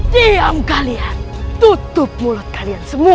diam kalian tutup mulut kalian semua